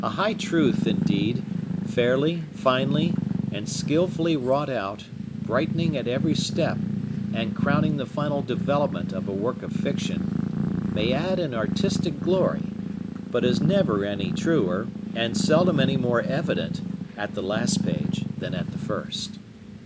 A high truth, indeed, fairly, finely, and skilfully wrought out, brightening at every step, and crowning the final development of a work of fiction, may add an artistic glory, but is never any truer, and seldom any more evident, at the last page than at the first.